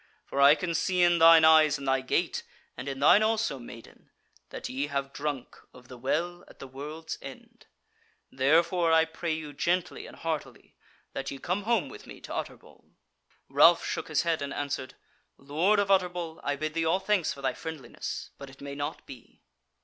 For I can see in thine eyes and thy gait, and in thine also, maiden, that ye have drunk of the Well at the World's End. Therefore I pray you gently and heartily that ye come home with me to Utterbol." Ralph shook his head, and answered: "Lord of Utterbol, I bid thee all thanks for thy friendliness, but it may not be."